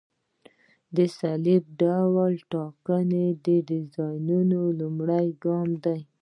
د سلب ډول ټاکل د ډیزاین لومړی ګام دی